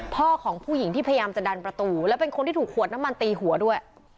พ่อของผู้หญิงที่พยายามจะดันประตูและเป็นคนที่ถูกขวดน้ำมันตีหัวด้วย